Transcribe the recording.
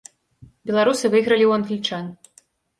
Беларусы выйгралі ў англічан.